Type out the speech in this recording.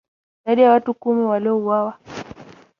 Zaidi ya watu kumi waliuawa